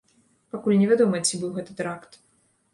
Пакуль невядома, ці быў гэта тэракт.